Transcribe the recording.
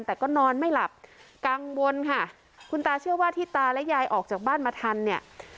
แต่ก็นอนไม่หลับกังวลค่ะคุณตาเชื่อว่าที่ตาและยายออกจากบ้านมาทันเนี่ย